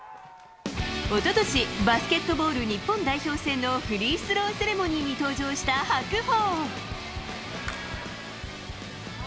一昨年、バスケットボール日本代表戦のフリースローセレモニーに登場した白鵬。